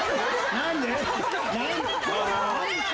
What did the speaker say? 何で。